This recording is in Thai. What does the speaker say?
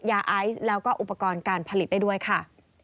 ยาไอซ์แล้วก็อุปกรณ์การผลิตได้ด้วยค่ะ